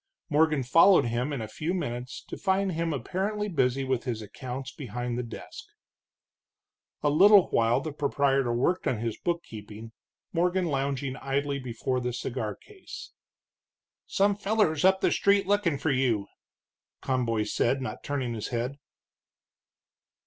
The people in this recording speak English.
Morgan followed him in a few minutes, to find him apparently busy with his accounts behind the desk. A little while the proprietor worked on his bookkeeping, Morgan lounging idly before the cigar case. "Some fellers up the street lookin' for you," Conboy said, not turning his head.